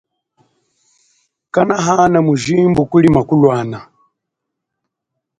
Kanahan mujibu kuli makulwana.